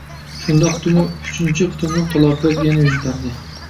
شۇنداقتىمۇ ئۈچىنچى قېتىملىق تالاپەت يەنە يۈز بەردى.